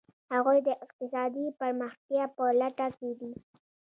هغوی د اقتصادي پرمختیا په لټه کې دي.